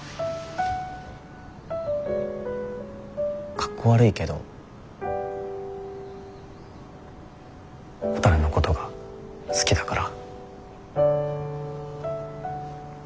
かっこ悪いけどほたるのことが好きだから。